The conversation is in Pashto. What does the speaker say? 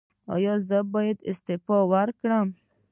ایا زه باید استعفا ورکړم؟